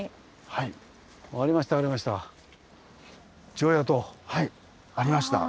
はいありました。